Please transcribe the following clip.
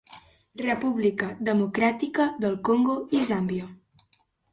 República Democràtica del Congo i Zàmbia.